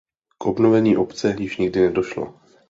K obnovení obce již nikdy nedošlo.